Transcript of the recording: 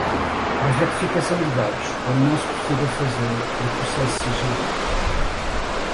para a retificação de dados, quando não se prefira fazê-lo por processo sigiloso